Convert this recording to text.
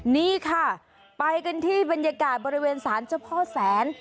นี่ค่ะไปกันที่บรรยากาศบริเวณศาลเจ้าพ่อแสน